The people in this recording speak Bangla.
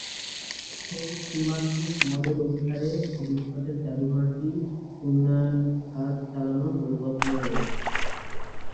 সেই ত্রিমাত্রিক মডেল অনুসারে ভবিষ্যতের জাদুঘরটির উন্নয়ন কাজ চালানোর পরিকল্পনা রয়েছে।